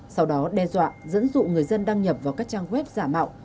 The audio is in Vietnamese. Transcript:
sau đó đe dọa dẫn dụ người dân đăng nhập vào các trang web giả mạo